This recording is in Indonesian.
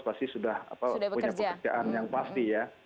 pasti sudah punya pekerjaan yang pasti ya